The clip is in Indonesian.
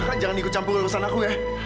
kakak jangan ikut campur garusan aku ya